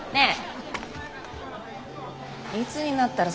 ねえ。